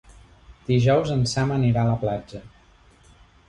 Dijous en Sam anirà a la platja.